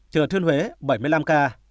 trường thương huế bảy mươi năm ca